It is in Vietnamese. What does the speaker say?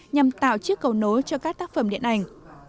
nhằm tạo chiếc cầu nối cho các tác phẩm điện ảnh